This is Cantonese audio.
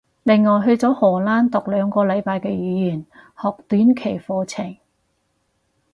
另外去咗荷蘭讀兩個禮拜嘅語言學短期課程